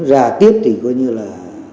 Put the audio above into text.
ra tiếp thì coi như là